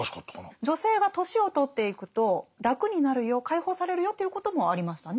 女性が年を取っていくと楽になるよ解放されるよということもありましたね